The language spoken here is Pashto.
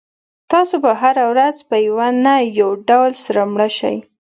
تاسو به هره ورځ په یو نه یو ډول سره مړ شئ.